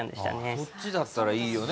そっちだったらいいよね。